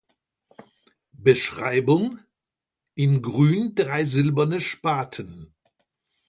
Beschreibung: In Grün drei silberne Spaten.